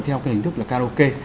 theo cái hình thức là karaoke